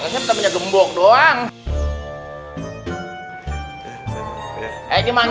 saya tetepnya gembok doang